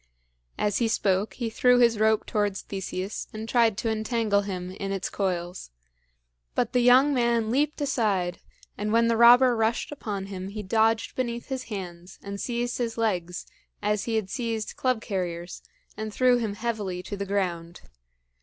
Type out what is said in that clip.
As he spoke he threw his rope towards Theseus and tried to entangle him in its coils. But the young man leaped aside, and when the robber rushed upon him, he dodged beneath his hands and seized his legs, as he had seized Club carrier's, and threw him heavily to the ground.